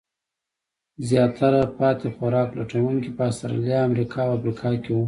زیاتره پاتې خوراک لټونکي په استرالیا، امریکا او افریقا کې وو.